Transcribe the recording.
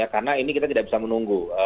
karena ini kita tidak bisa menunggu